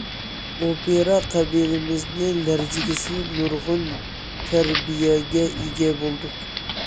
ئوپېرا قەلبىمىزنى لەرزىگە سېلىپ، نۇرغۇن تەربىيەگە ئىگە بولدۇق.